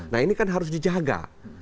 nah ini kan harus dijaga